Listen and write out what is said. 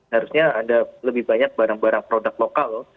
harusnya ada lebih banyak barang barang produk lokal